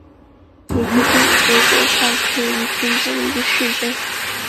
里茨兴是德国萨克森州的一个市镇。